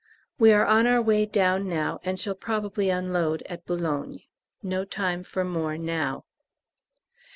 We are on our way down now, and shall probably unload at B. No time for more now.